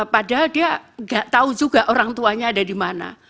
padahal dia nggak tahu juga orang tuanya ada di mana